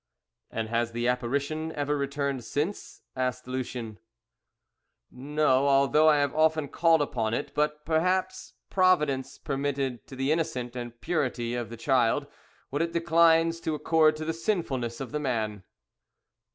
'" "And has the apparition ever returned since?" asked Lucien. "No, although I have often called upon it; but, perhaps, Providence permitted to the innocence and purity of the child what it declines to accord to the sinfulness of the man."